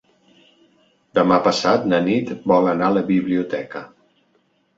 Demà passat na Nit vol anar a la biblioteca.